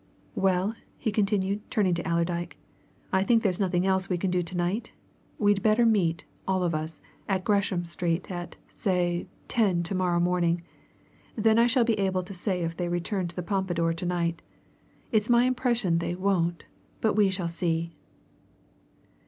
"Well?" he continued, turning to Allerdyke. "I think there's nothing else we can do to night? We'd better meet, all of us, at Gresham Street, at, say, ten to morrow morning; then I shall be able to say if they return to the Pompadour to night. It's my impression they won't but we shall see."